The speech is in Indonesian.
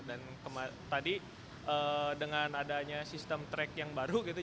dan tadi dengan adanya sistem track yang baru gitu